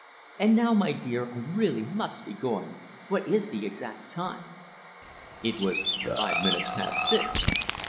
And now, my dear, I really must be going. What is the exact time?" It was five minutes past six.